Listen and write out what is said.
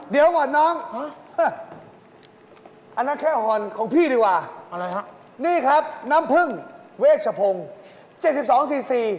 เดี๋ยวหน่อยน้องอันนั้นแค่หอนของพี่ดีกว่านี่ครับน้ำผึ้งเวชโภง๗๒ซีซี